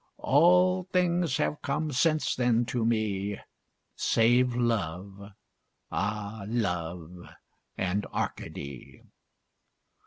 All things have come since then to me, Save Love, ah Love! and Arcady.